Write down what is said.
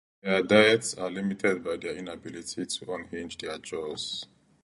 Their diets are limited by their inability to unhinge their jaws.